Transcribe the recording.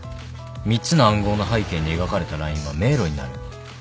３つの暗号の背景に描かれたラインは迷路になる。